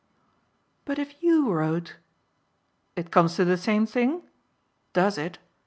"But if YOU wrote " "It comes to the same thing? DOES it?